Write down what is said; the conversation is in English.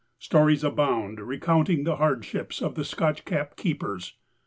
Stories abound recounting the hardships of the Scotch Cap keepers.